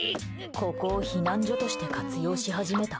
ここを避難所として活用し始めた。